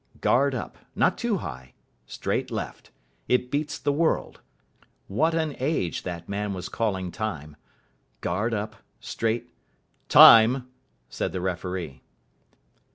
Guard up. Not too high. Straight left. It beats the world. What an age that man was calling Time. Guard up. Straight "Time," said the referee.